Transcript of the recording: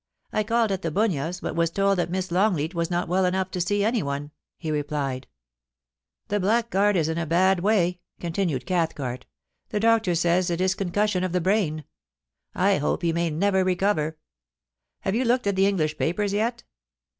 * I called at The Bunyas, but was told that Miss Longleai was not well enough to see anyone,' he replied ' That blackguard is in a bad way,' continued Cathcart ' The doctors say it is concussion of the brain. I hope he may never recover. Have you looked at the English papers yet?